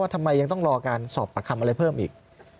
ทำไมยังต้องรอการสอบปากคำอะไรเพิ่มอีก